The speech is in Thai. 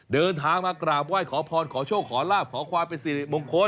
เดินทางมากราบไหว้ขอพรขอโชคขอลาบขอความเป็นสิริมงคล